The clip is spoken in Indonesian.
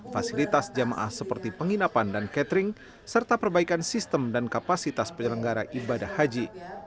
fasilitas jamaah seperti penginapan dan catering serta perbaikan sistem dan kapasitas penyelenggara ibadah haji